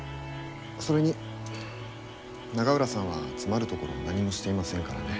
それに永浦さんは詰まるところ何もしていませんからね。